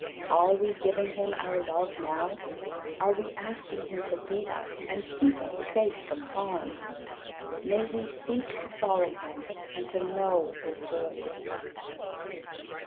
Are we giving Him our love now? Are we asking Him to lead us, and keep us safe from harm? May we seek to follow Him and to know His voice.